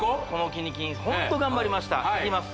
「キニ金」ホント頑張りましたいきます